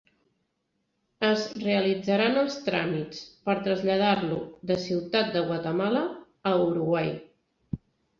Es realitzaran els tràmits per traslladar-lo de Ciutat de Guatemala a Uruguai.